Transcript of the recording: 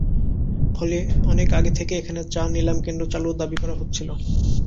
ফলে অনেক আগে থেকেই এখানে চা নিলাম কেন্দ্র চালুর দাবি করা হচ্ছিল।